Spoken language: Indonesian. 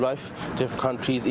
dari negara negara yang berbeda